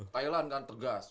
thailand kan tegas